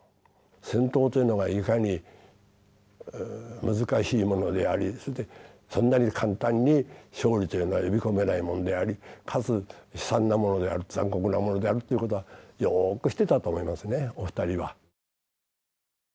戦闘というのがいかに難しいものでありそんなに簡単に勝利というのは呼び込めないものでありかつ悲惨なものである残酷なものであるという事はよく知ってたと思いますねお二人は。